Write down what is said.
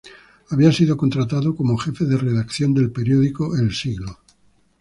Había sido contratado como jefe de redacción del periódico El Siglo.